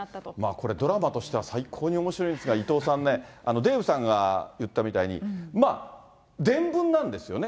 これ、ドラマとしては最高におもしろいんですが、伊藤さんね、デーブさんが言ったみたいに、まあ、伝聞なんですよね。